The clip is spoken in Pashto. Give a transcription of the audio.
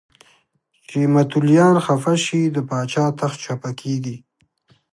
چې متولیان خفه شي د پاچا تخت چپه کېږي.